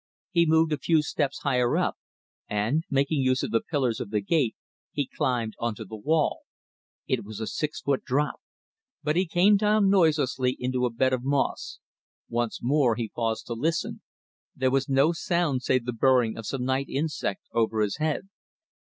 He moved a few steps higher up, and, making use of the pillars of the gate, he climbed on to the wall. It was a six foot drop, but he came down noiselessly into a bed of moss. Once more he paused to listen. There was no sound save the burring of some night insect over his head.